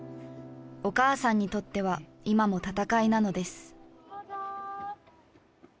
お母さんにとっては今も闘いなのです。